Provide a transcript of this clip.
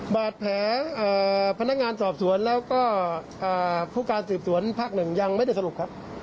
บาดแผลพนักงานสอบสวนแล้วก็ผู้การสืบสวนภาคหนึ่งยังไม่ได้สรุปครับ